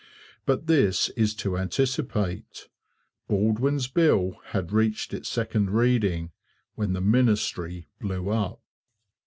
But this is to anticipate. Baldwin's bill had reached its second reading, when the ministry blew up.